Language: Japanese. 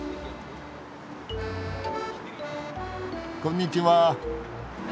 こんにちは。